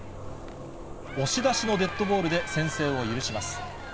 押し出しのデッドボールで先制を許します。